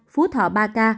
phú thọ ba ca